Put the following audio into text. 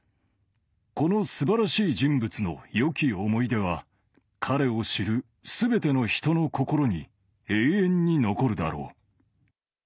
このすばらしい人物のよき思い出は、彼を知るすべての人の心に永遠に残るだろう。